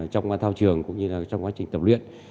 trong thao trường cũng như là trong quá trình tập luyện